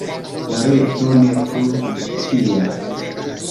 La reto ne plu funkcias.